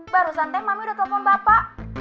baru santai mami udah telpon bapak